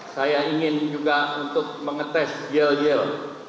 saya ingin juga untuk mengetes yeal yel